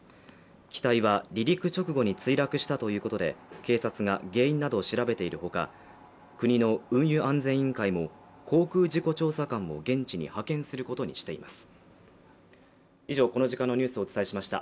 機体は離陸直後に墜落したということで警察が原因などを調べているほか国の運輸安全委員会も航空事故調査官も現地に派遣することにしています。